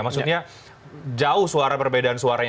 maksudnya jauh suara perbedaan suaranya